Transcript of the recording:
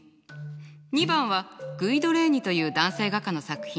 ２番はグイド・レーニという男性画家の作品。